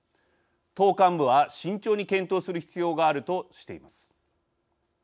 党幹部は慎重に検討する必要があるとしています。